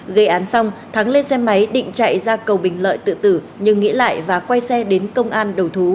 gây án xong thắng lên xe máy định chạy ra cầu bình lợi tự tử nhưng nghĩ lại và quay xe đến công an đầu thú